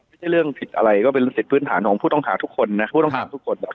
ไม่ใช่เรื่องผิดอะไรก็เป็นสิทธิ์พื้นฐานของผู้ต้องถามทุกคนนะครับ